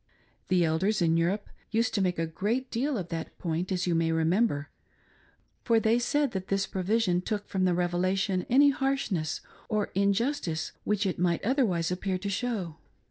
The Elders in Europe used to make a great deal of that point, as you may remem ber, for they said that this provision took from the Revelation any harshness or injustice which it might otherwise appear to show.